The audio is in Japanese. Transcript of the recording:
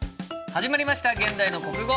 始まりました「現代の国語」。